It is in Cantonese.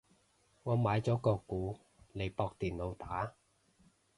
我買咗個鼓嚟駁電腦打